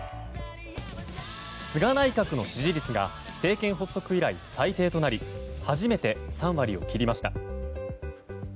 菅内閣の支持率が政権発足以来、最低となり初めて３割を切りました。